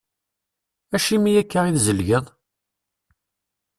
Acimi akka i tzelgeḍ ?